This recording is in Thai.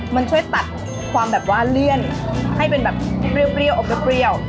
มันช่วยตัดความแบบว่าเลี่ยนให้เป็นแบบเปรี้ยวอมเปรี้ยว